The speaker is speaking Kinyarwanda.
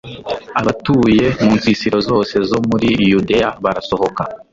abatuye mu nsisiro zose zo muri yudeya barasohoka